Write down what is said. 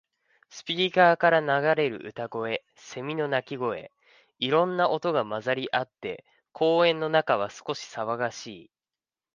スピーカーから流れる歌声、セミの鳴き声。いろんな音が混ざり合って、公園の中は少し騒がしい。